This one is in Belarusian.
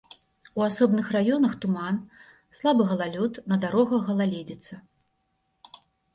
У асобных раёнах туман, слабы галалёд, на дарогах галалёдзіца.